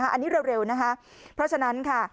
อันนี้เร็วนะคะเพราะฉะนั้นค่ะ